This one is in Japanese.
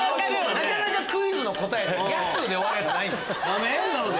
なかなかクイズの答えで「やつ」で終わるのないです。